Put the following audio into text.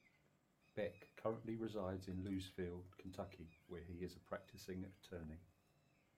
Beck currently resides in Louisville, Kentucky, where he is a practicing attorney.